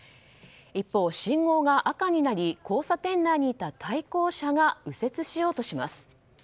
一方、信号が赤になり交差点内にいた対向車が右折しようとします。